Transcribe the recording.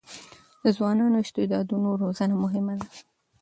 د ځوانو استعدادونو روزنه مهمه ده.